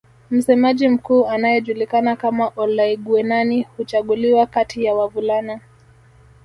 Msemaji Mkuu anayejulikana kama Olaiguenani huchaguliwa kati ya wavulana